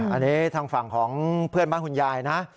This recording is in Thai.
อันนี้ทางฝั่งของเพื่อนบ้านคุณยายนะ